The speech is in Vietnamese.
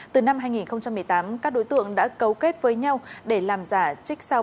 từ năm hai nghìn một mươi tám các đối tượng đã cấu kết với nhau để làm giả trích sao bản chính quyết định